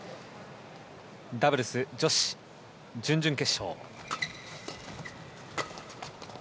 ダブルス女子、準々決勝。